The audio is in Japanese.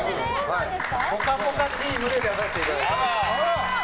「ぽかぽか」チームで出させていただいてます。